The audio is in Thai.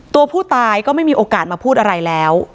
ตัวผู้ตายก็ไม่มีโอกาสมาพูดอะไรแล้ว